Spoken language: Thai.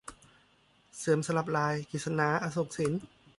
เลื่อมสลับลาย - กฤษณา อโศกสิน